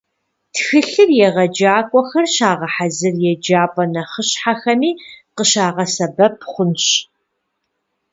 Тхылъыр егъэджакӀуэхэр щагъэхьэзыр еджапӀэ нэхъыщхьэхэми къыщыбгъэсэбэп хъунщ.